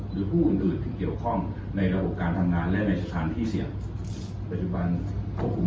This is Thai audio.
หรือผู้อื่นอื่นหรือผู้ที่เกี่ยวข้อง